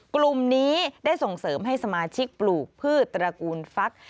กลุ่มนี้ได้ส่งเสริมให้สมาชิกปลูกพืชตระกูลฟัก